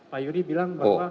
pak yuri bilang bahwa